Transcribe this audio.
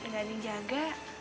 gak di jaga